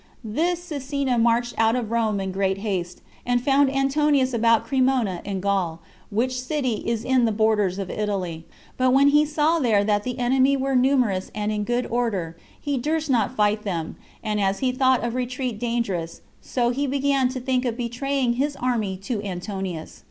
This Cecinna marched out of Rome in great haste, and found Antonius about Cremona in Gall, which city is in the borders of Italy; but when he saw there that the enemy were numerous and in good order, he durst not fight them; and as he thought a retreat dangerous, so he began to think of betraying his army to Antonius.